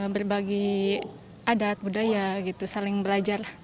berbagi adat budaya gitu saling belajar lah